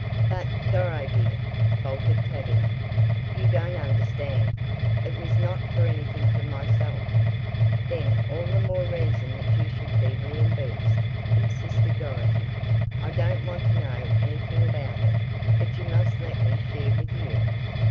"But, Doro, dear," faltered Tavia, "you don't understand. It was not for anything for myself " "Then all the more reason that you should be reimbursed," insisted Dorothy. "I don't want to know anything about it, but you must let me share with you.